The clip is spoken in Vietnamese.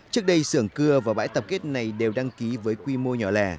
trước đây sưởng cưa và bãi tập kết này đều đăng ký với quy mô nhỏ lẻ